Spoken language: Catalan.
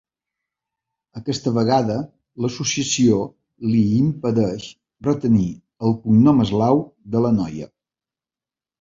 Aquesta vegada l'associació li impedeix retenir el cognom eslau de la noia.